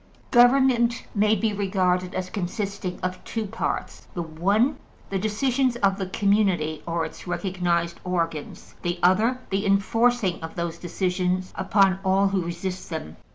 Government may be regarded as consisting of two parts: the one, the decisions of the community or its recognized organs; the other, the enforcing of those decisions upon all who resist them.